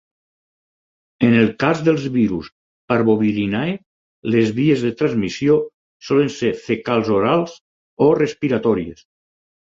En el cas dels virus "Parvovirinae", les vies de transmissió solen ser fecals-orals o respiratòries.